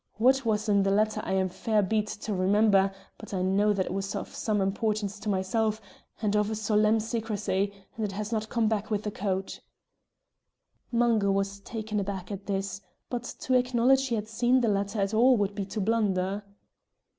What was in the letter I am fair beat to remember, but I know that it was of some importance to myself, and of a solemn secrecy, and it has not come back with the coat." Mungo was taken aback at this, but to acknowledge he had seen the letter at all would be to blunder.